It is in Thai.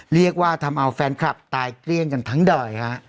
เรียกว่าทำเอาแฟนคลับตายเกลี้ยงกันทั้งดอยฮะ